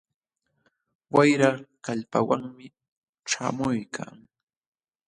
Wayra kallpawanmi ćhaamuykan.